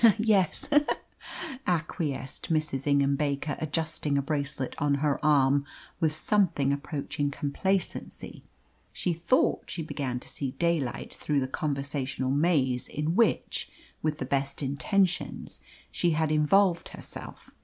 "Yes he he!" acquiesced Mrs. Ingham Baker, adjusting a bracelet on her arm with something approaching complacency. She thought she began to see daylight through the conversational maze in which with the best intentions she had involved herself.